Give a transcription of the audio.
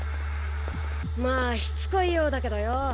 まあしつこいようだけどよ